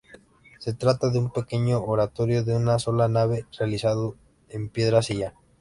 Se trata de un pequeño oratorio, de una sola nave, realizado en piedra sillar.